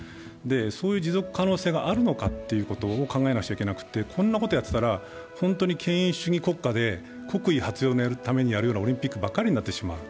そういう持続可能性があるのかということを考えなくちゃいけなくて、こんなことやってたら本当に権威主義国家で国威発揚のためにやるようなオリンピックばかりになってしまう。